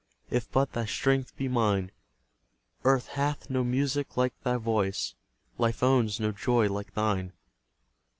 If but thy strength be mine, Earth hath no music like thy voice, Life owns no joy like thine!